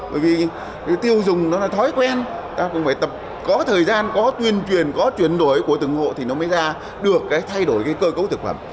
bởi vì tiêu dùng đó là thói quen ta cũng phải có thời gian có tuyên truyền có chuyển đổi của từng ngộ thì nó mới ra được thay đổi cơ cấu thực phẩm